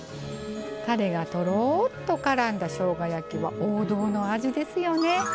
たれが、とろっとからんだしょうが焼きは王道の味ですよね。